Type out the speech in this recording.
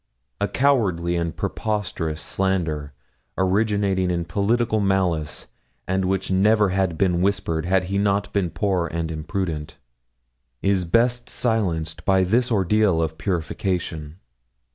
A cowardly and preposterous slander, originating in political malice, and which never have been whispered had he not been poor and imprudent, is best silenced by this ordeal of purification.